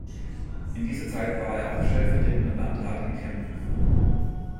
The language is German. In dieser Zeit war er auch stellvertretender Landrat in Kempen.